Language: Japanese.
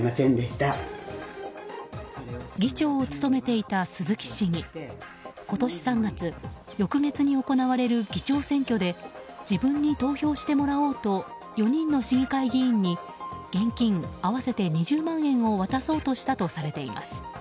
議長を務めていた鈴木氏に今年３月翌月に行われる議長選挙で自分に投票してもらおうと４人の市議会議員に現金合わせて２０万円を渡そうとしたとされています。